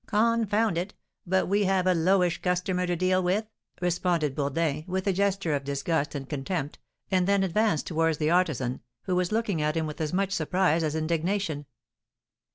Confound it, but we have a lowish customer to deal with," responded Bourdin, with a gesture of disgust and contempt, and then advanced towards the artisan, who was looking at him with as much surprise as indignation.